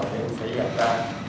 để xảy ra